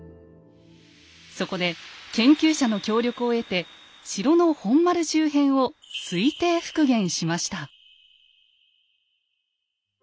そこで研究者の協力を得て城の本丸周辺を推定復元しました。